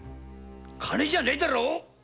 金じゃねえだろ。